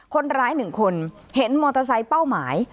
คนร้ายหนึ่งคนเห็นรถมอเตอร์ไซต์เป้าหมาย